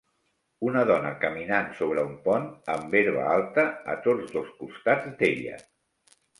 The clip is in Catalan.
Una dona caminant sobre un pont amb herba alta a tots dos costats d'ella.